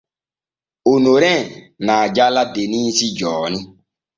Onomrin na jala Denisi jooni.